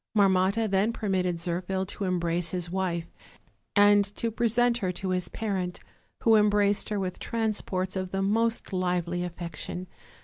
Marmotta then permitted Zirphil to embrace his wife and to present her to his parent, who embraced her with transports of the most lively affection.